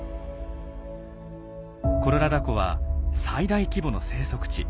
コロラダ湖は最大規模の生息地。